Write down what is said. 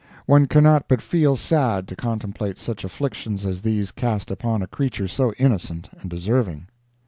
One cannot but feel sad to contemplate such afflictions as these cast upon a creature so innocent and deserving.